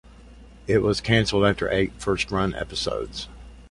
It was canceled after eight first-run episodes.